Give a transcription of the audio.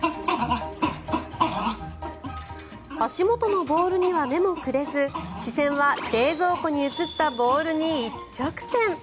足元のボールには目もくれず視線は冷蔵庫に映ったボールに一直線。